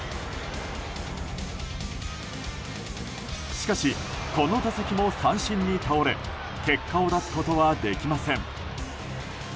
しかし、この打席も三振に倒れ結果を出すことはできません。